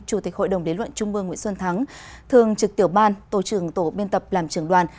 chủ tịch hội đồng đế luận trung ương nguyễn xuân thắng thường trực tiểu ban tổ trưởng tổ biên tập làm trưởng đoàn